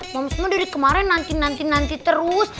mams mah dari kemarin nanti nanti terus